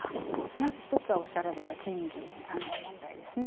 まず１つはおっしゃられた賃金の問題ですね。